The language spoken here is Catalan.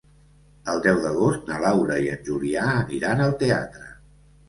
El deu d'agost na Laura i en Julià aniran al teatre.